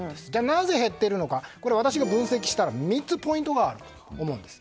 なぜ減っているのか私が分析したら３つポイントがあると思うんです。